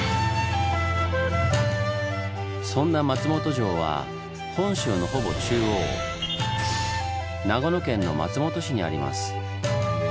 そんな松本城は本州のほぼ中央長野県の松本市にあります。